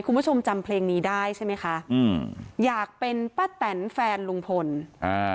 คุณผู้ชมจำเพลงนี้ได้ใช่ไหมคะอืมอยากเป็นป้าแตนแฟนลุงพลอ่า